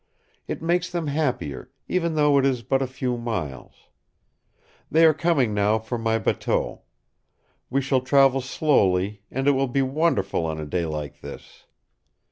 It makes them happier, even though it is but a few miles. They are coming now for my bateau. We shall travel slowly, and it will be wonderful on a day like this.